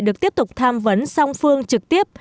được tiếp tục tham vấn song phương trực tiếp